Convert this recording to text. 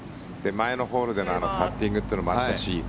前のホールでのパッティングというのもあったし